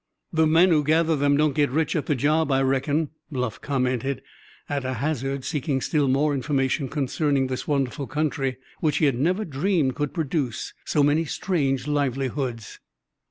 "The men who gather them don't get rich at the job, I reckon," Bluff commented, at a hazard, seeking still more information concerning this wonderful country which he had never dreamed could produce so many strange livelihoods.